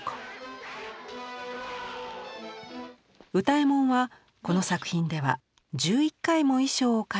右太衛門はこの作品では１１回も衣装を替えて登場。